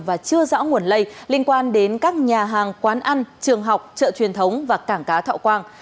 và chưa rõ nguồn lây liên quan đến các nhà hàng quán ăn trường học chợ truyền thống và cảng cá thọ quang